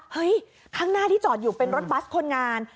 ข้างหน้าที่จอดอยู่เป็นรถบัสคนงาน